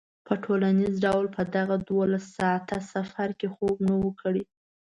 په ټولیز ډول په دغه دولس ساعته سفر کې خوب نه و کړی.